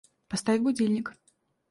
Поставь будильник